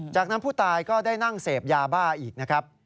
จากนั้นผู้ตายก็ได้นั่งเสพยาบ้าอีกนะครับ